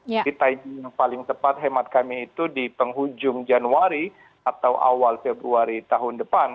jadi timing yang paling tepat hemat kami itu di penghujung januari atau awal februari tahun depan